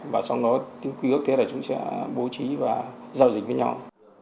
và sau đó tương ký ước thế là chúng ta bố trí và giao dịch với nhau